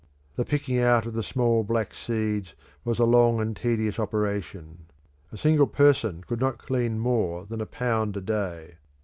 The picking out of the small black seeds was a long and tedious operation. A single person could not clean more than a pound a day.